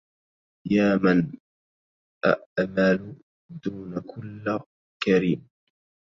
يا من أؤمل دون كل كريم